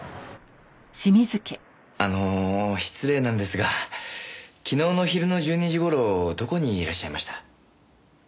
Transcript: あの失礼なんですが昨日の昼の１２時頃どこにいらっしゃいました？